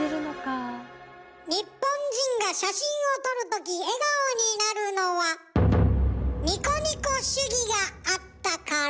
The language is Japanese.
日本人が写真を撮るとき笑顔になるのはニコニコ主義があったから。